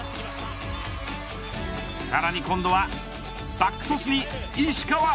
さらに今度はバックトスに石川。